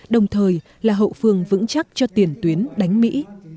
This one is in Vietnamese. đồng thời là hậu phương vững chắc cho tiền tuyến đánh mỹ